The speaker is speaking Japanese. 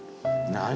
何？